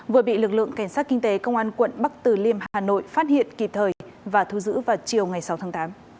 vừa bị lực lượng cảnh sát kinh tế công an quận bắc từ liêm hà nội phát hiện kịp thời và thu giữ vào chiều ngày sáu tháng tám